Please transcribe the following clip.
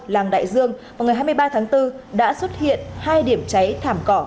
làng đại dương vào ngày hai mươi ba tháng bốn đã xuất hiện hai điểm cháy thảm cỏ